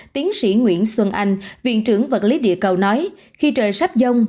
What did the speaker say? tiến sĩ nguyễn xuân anh viện trưởng vật lý địa cầu nói khi trời sắp dông